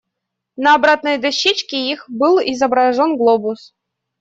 На оборотной дощечке их был изображен глобус.